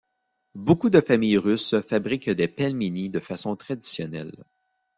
Beaucoup de familles russes fabriquent des pelmeni de façon traditionnelle.